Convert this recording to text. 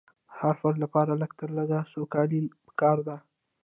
د هر فرد لپاره لږ تر لږه سوکالي پکار ده.